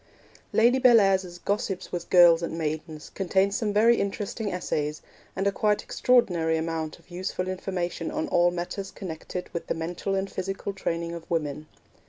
Lady Bellairs's Gossips with Girls and Maidens contains some very interesting essays, and a quite extraordinary amount of useful information on all matters connected with the mental and physical training of women.